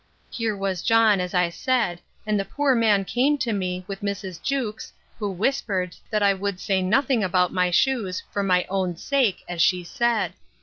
Here was John, as I said, and the poor man came to me, with Mrs. Jewkes, who whispered, that I would say nothing about the shoes, for my own sake, as she said.